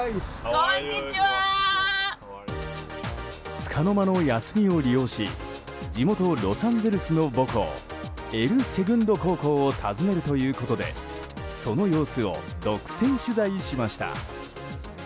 つかの間の休みを利用し地元ロサンゼルスの母校エルセグント高校を訪ねるということでその様子を独占取材しました。